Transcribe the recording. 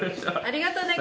ありがとね